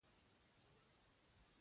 ګلداد وویل زه چې وړوکی را لوی شوی یم.